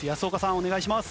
お願いします。